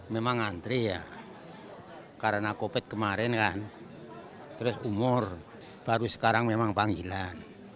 memang antri ya karena covid kemarin kan terus umur baru sekarang memang panggilan